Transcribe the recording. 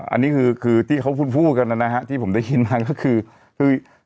อันนี้คือที่เขาพูดพูกันนะนะฮะที่ผมได้ยินมาก็คือ